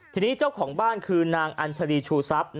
ทีนี้เจ้าของบ้านคือนางอันทฤรจูซับ